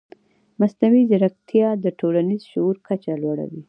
مصنوعي ځیرکتیا د ټولنیز شعور کچه لوړوي.